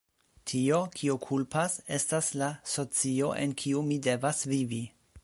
Tio, kio kulpas estas la socio en kiu mi devas vivi.